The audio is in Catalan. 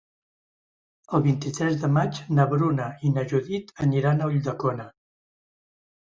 El vint-i-tres de maig na Bruna i na Judit aniran a Ulldecona.